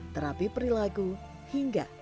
terapi perilagu hingga